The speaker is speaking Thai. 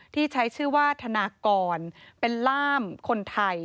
ที่ใช้ชื่อว่าธนากรเป็นล่ามคนไทย